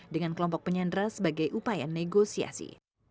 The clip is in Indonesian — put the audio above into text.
dengan kelompok penyandra sebagai upaya negosiasi